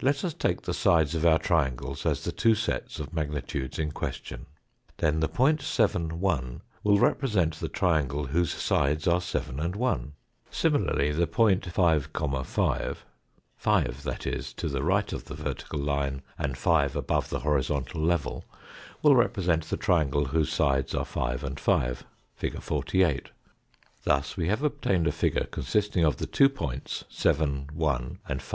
Let us take the sides of our triangles as the two sets of magnitudes in question. Then the point 7, 1, will represent the triangle whose sides are 7 and 1. Similarly the point 5, 5 5, that is, to the ricrht of the vertical level and 5 above the .5,5 horizontal level will represent the triangle whose sides are 5 and 5 Thus we have obtained a figure consisting of the two points 7, 1, Fig. 48. and 5 ?